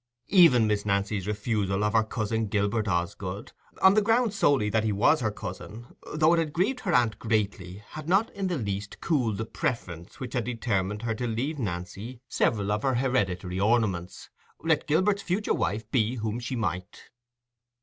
Even Miss Nancy's refusal of her cousin Gilbert Osgood (on the ground solely that he was her cousin), though it had grieved her aunt greatly, had not in the least cooled the preference which had determined her to leave Nancy several of her hereditary ornaments, let Gilbert's future wife be whom she might.